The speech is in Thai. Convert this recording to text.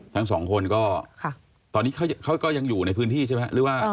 ทั้งสองคนก็ตอนนี้เขาก็ยังอยู่ในพื้นที่ใช่ไหมหรือว่า